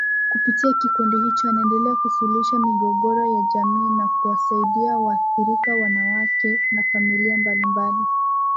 Kupitia kikundi hicho anaendelea kusuluhisha migogoro ya jamii na kuwasaidia waathirika wanawake na familia mbalimbali